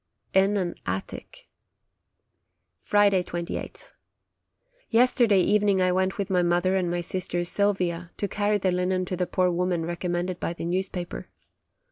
IN AN ATTIC Friday, 28th. Yesterday evening I went with my mother and my sister Sylvia, to carry the linen to the poor woman recommended by the newspaper.